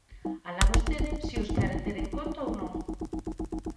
Alá vostede se os quere ter en conta ou non.